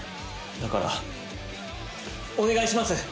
だからお願いします！